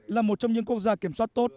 là một trong những quốc gia kiểm soát tốt